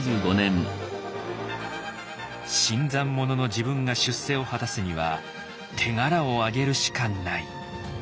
「新参者の自分が出世を果たすには手柄をあげるしかない」。